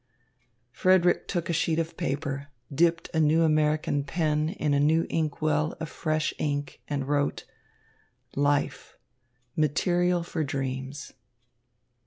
Frederick took a sheet of paper, dipped a new American pen in a new inkwell of fresh ink, and wrote: "Life: Material for Dreams."